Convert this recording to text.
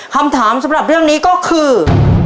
คำถามสำหรับเรื่องนี้ก็คือ